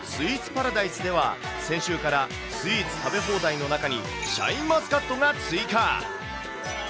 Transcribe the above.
パラダイスでは、先週からスイーツ食べ放題の中に、シャインマスカットが追加。